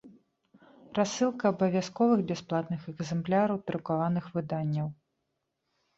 Рассылка абавязковых бясплатных экзэмпляраў друкаваных выданняў